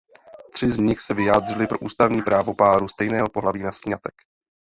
Tři z nich se vyjádřili pro ústavní právo párů stejného pohlaví na sňatek.